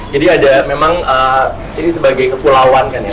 jadi ada memang ini sebagai kepulauan kan ya